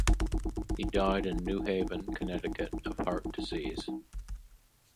He died in New Haven, Connecticut, of heart disease.